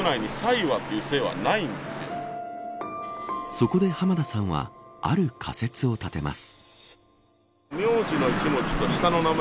そこで浜田さんはある仮説を立てます。